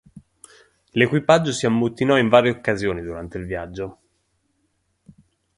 L'equipaggio si ammutinò in varie occasioni durante il viaggio.